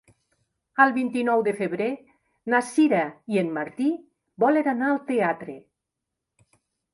El vint-i-nou de febrer na Sira i en Martí volen anar al teatre.